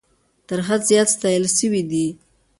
تر حد زیات ستایل سوي دي.